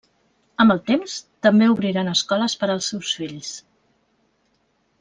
Amb el temps, també obriran escoles per als seus fills.